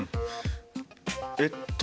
えっと